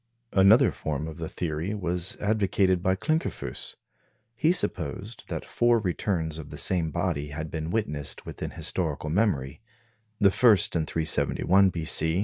Another form of the theory was advocated by Klinkerfues. He supposed that four returns of the same body had been witnessed within historical memory the first in 371 b.c.